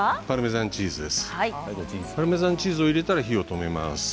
パルメザンチーズが入ったら火を止めます。